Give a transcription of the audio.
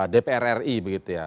dpr ri begitu ya